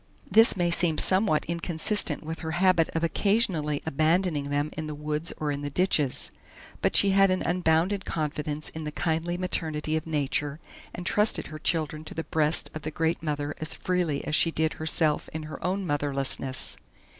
This may seem somewhat inconsistent with her habit of occasionally abandoning them in the woods or in the ditches. But she had an unbounded confidence in the kindly maternity of Nature, and trusted her children to the breast of the Great Mother as freely as she did herself in her own motherlessness.